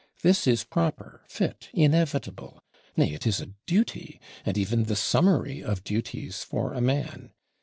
This is proper, fit, inevitable; nay, it is a duty, and even the summary of duties for a man.